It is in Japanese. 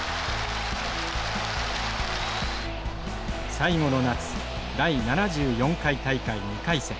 最後の夏第７４回大会２回戦。